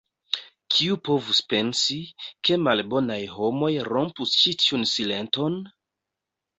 Kiu povus pensi, ke malbonaj homoj rompus ĉi tiun silenton?